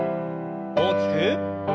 大きく。